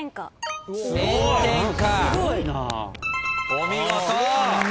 お見事！